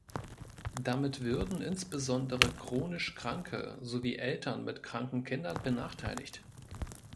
Damit würden insbesondere chronisch Kranke sowie Eltern mit kranken Kindern benachteiligt.